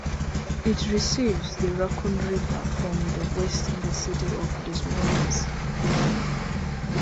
It receives the Raccoon River from the west in the city of Des Moines.